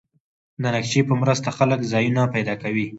د نقشې په مرسته خلک ځایونه پیدا کوي.